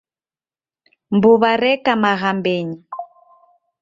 Mbew'a reka mghambenyi.